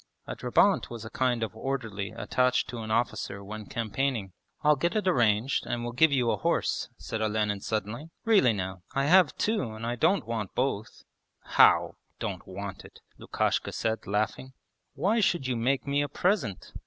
(A drabant was a kind of orderly attached to an officer when campaigning.) 'I'll get it arranged and will give you a horse,' said Olenin suddenly. 'Really now, I have two and I don't want both.' 'How don't want it?' Lukashka said, laughing. 'Why should you make me a present?